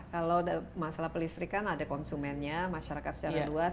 kalau masalah pelistrikan ada konsumennya masyarakat secara luas